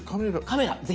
カメラぜひ。